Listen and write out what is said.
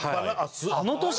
あの年？